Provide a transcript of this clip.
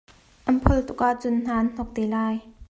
An phol tuk ahcun hna an hnok te lai.